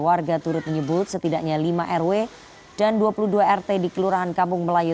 warga turut menyebut setidaknya lima rw dan dua puluh dua rt di kelurahan kampung melayu